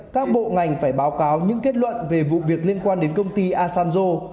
các bộ ngành phải báo cáo những kết luận về vụ việc liên quan đến công ty asanjo